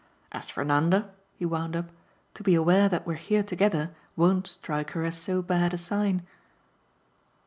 As for Nanda," he wound up, "to be aware that we're here together won't strike her as so bad a sign."